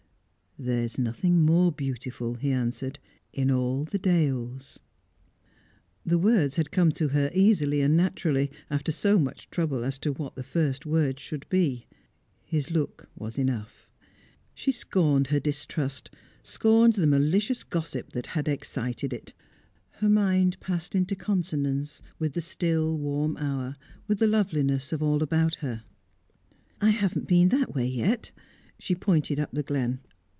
"There is nothing more beautiful," he answered, "in all the dales." The words had come to her easily and naturally, after so much trouble as to what the first words should be. His look was enough. She scorned her distrust, scorned the malicious gossip that had excited it. Her mind passed into consonance with the still, warm hour, with the loveliness of all about her. "I haven't been that way yet." She pointed up the glen.